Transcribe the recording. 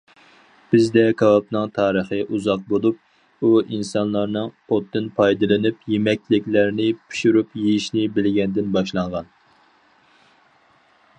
بىزدە كاۋاپنىڭ تارىخى ئۇزاق بولۇپ، ئۇ ئىنسانلارنىڭ ئوتتىن پايدىلىنىپ يېمەكلىكلەرنى پىشۇرۇپ يېيىشنى بىلگەندىن باشلانغان.